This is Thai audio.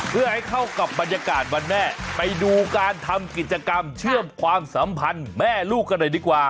เพื่อให้เข้ากับบรรยากาศวันแม่ไปดูการทำกิจกรรมเชื่อมความสัมพันธ์แม่ลูกกันหน่อยดีกว่า